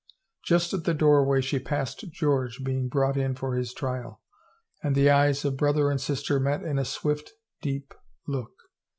Just at the doorway she passed George being brought in for his trial and the eyes of brother and sister met in a swift, deep look.